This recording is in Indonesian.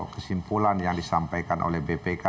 kesimpulan yang disampaikan oleh bpk